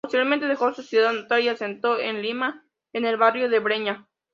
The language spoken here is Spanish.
Posteriormente dejó su ciudad natal y asentó en Lima, en el barrio de Breña.